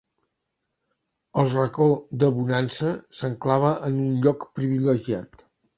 El Racó de Bonança s'enclava en un lloc privilegiat.